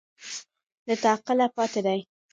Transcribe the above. له تعقله پاتې دي